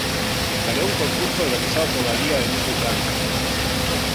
Ganó un concurso organizado por la Liga del Mundo Islámico.